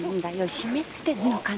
湿ってんのかねえ？